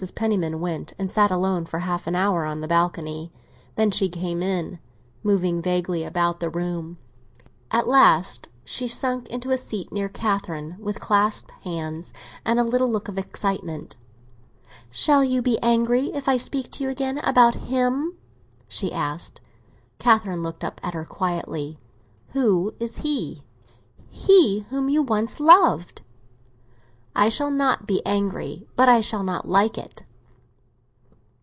Penniman went and sat alone for half an hour on the balcony; then she came in, moving vaguely about the room. At last she sank into a seat near Catherine, with clasped hands, and a little look of excitement. "Shall you be angry if I speak to you again about him?" she asked. Catherine looked up at her quietly. "Who is he?" "He whom you once loved." "I shall not be angry, but I shall not like it."